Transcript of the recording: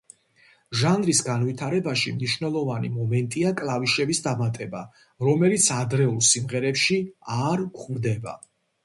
ჟანრის განვითარებაში მნიშვნელოვანი მომენტია კლავიშების დამატება, რომელიც ადრეულ სიმღერებში არ გვხვდება.